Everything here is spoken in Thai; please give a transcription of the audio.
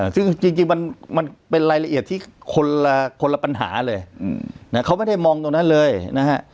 ซึ่งจริงมันเป็นรายละเอียดที่คนละปัญหาเลยเขาไม่ได้มองตรงนั้นเลยนะฮะ